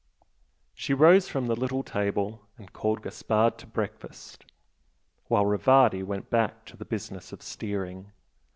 She rose from the little table, and called Gaspard to breakfast, while Rivardi went back to the business of steering.